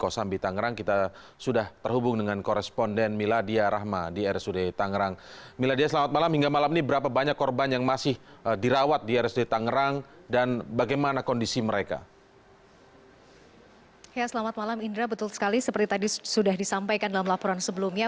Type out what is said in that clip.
selamat malam indra betul sekali seperti tadi sudah disampaikan dalam laporan sebelumnya